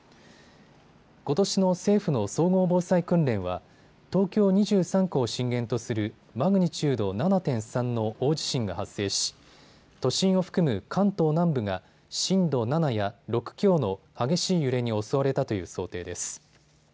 ことしの政府の総合防災訓練は東京２３区を震源とするマグニチュード７．３の大地震が発生し都心を含む関東南部が震度７や６強の激しい揺れに襲われたという想定です。